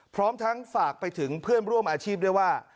พร้อมทั้งฝากไปถึงเพื่อนร่วมอาชีพด้วยว่า